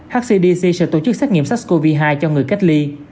hcdc sẽ tổ chức xét nghiệm sars cov hai cho người cách ly